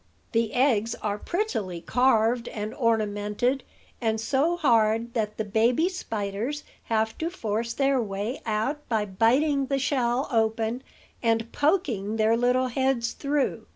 The eggs are prettily carved and ornamented, and so hard that the baby spiders have to force their way out by biting the shell open and poking their little heads through.